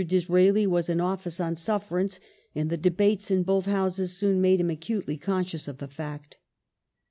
Disraeli was in office on sufferance, and the debates in both Houses soon made him acutely conscious of the fact.